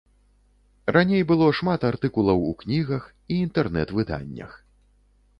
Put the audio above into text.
Раней было шмат артыкулаў у кнігах і інтэрнэт-выданнях.